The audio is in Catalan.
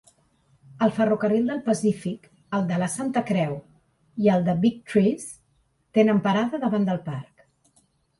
El ferrocarril del Pacífic, el de La Santa Creu, i el de Big Trees tenen parada davant del parc.